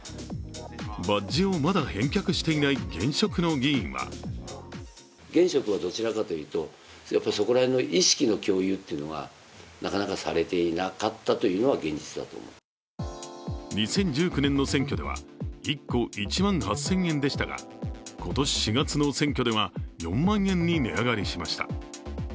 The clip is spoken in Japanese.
バッジをまだ返却していない現職の議員は２０１９年の選挙では、１個１万８０００円でしたが今年４月の選挙では４万円に値上がりしました。